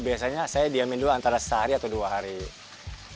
biasanya saya diamin dulu antara saking dan cacing sutra